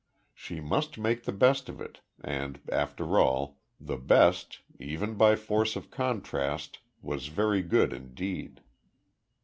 She must make the best of it, and, after all, the best, even by force of contrast, was very good indeed.